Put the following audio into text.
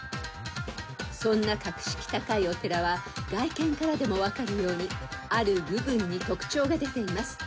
［そんな格式高いお寺は外見からでも分かるようにある部分に特徴が出ています。